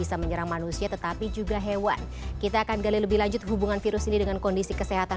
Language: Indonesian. alhamdulillah alhamdulillah sehat